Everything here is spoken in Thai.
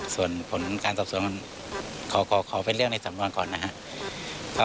ส่วนผลการสอบสวนมันขอเป็นเรื่องในสำนวนก่อนนะครับ